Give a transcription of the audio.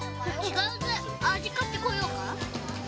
違う味買ってこようか？